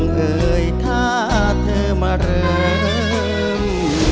เคยท่าเธอมาเริ่ม